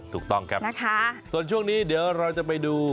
ถูกต้องครับนะคะส่วนช่วงนี้เดี๋ยวเราจะไปดู